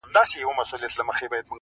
چي قاضي ته چا درنه برخه ورکړله-